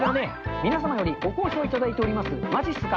皆さんよりご好評いただいております、まじっすか。